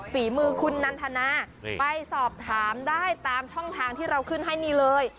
ฝีมือคุณนันทนาไปสอบถามได้ตามช่องทางที่เราขึ้นให้นี่เลย